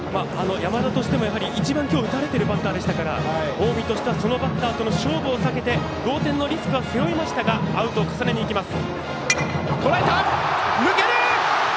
山田も一番打たれているバッターでしたから近江としてはそのバッターとの勝負を避けて同点のリスクは背負いましたがアウトを重ねにいきます。